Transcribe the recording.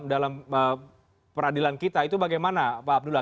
dalam peradilan kita itu bagaimana pak abdullah